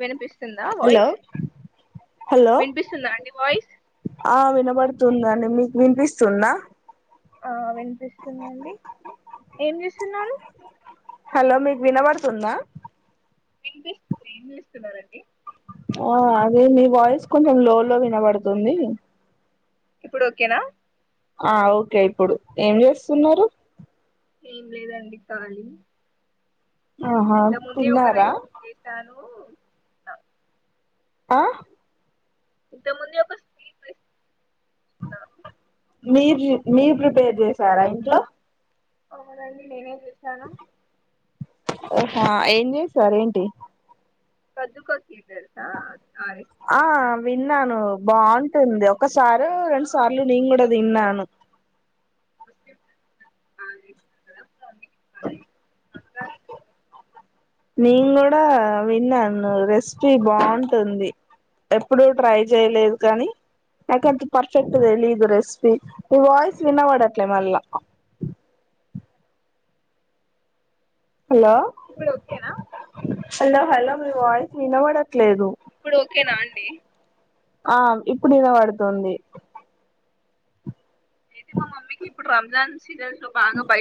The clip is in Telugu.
వినిపిస్తుందా హలో వాయిస్ హలో వినిపిస్తుందా అండి వాయిస్ దని మీకు వినిపిస్తున్నా ఆ వినిపిస్తున్నాండి ఏం చేస్తున్నారు హలో మీకు వినబడుతుందా మీంస్తుంది ఇం ఇస్తున్నండి ఆ అదే మీ వాయిస్ కొంచెం లో లో వినబడుతుంది ఇప్పుడు కేనా ఆ ఓకే ఇప్పుడు ఏం చేస్తున్నారు ఏం లేదండి ఖాలీ ఆహా ఇంత ముందే ఒక తిన్నారా రైస్ చేశాను ఆ ఇంత ముందు ఒక స్ అ మీరు మీరు ప్రిపేర్ చేసారా ఇంట్లో అవునండి నెనే తీసాను ఓహా ఏం చేసారు ఏంటి [unintelligible] ఆ చేశాను విన్నాను బాగుంటుంది ఒక సారు రెం ఆ సార్లు నెను గూడా ముస్లిమ్స్ తిన్నను [inaudible] [unintelligible] నేను కూడా విన్నాను రెస్పీ బాగుంటుంది ఎప్పుడూ ట్రై చేయలేదు కానీ నాకెంత పర్ఫెక్ట్ తెలిదు రెసిపీ మీ వాయిస్ వినబడట్లే మళ్ళా హలో ఇప్పుడు ఓకేనా హలో హలో మీ వాయిస్ వినబడట్లేదు ఇప్పుడు ఓకేనా అండి ఆ ఇప్పుడు ఇన పడుతుంది అయితే మా మమ్మీకి ఇప్పుడు రంజాన్ [unintelligible] బాగా బయట